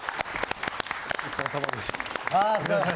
お疲れさまでした。